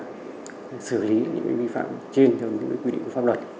để xử lý những vi phạm trên những quy định pháp luật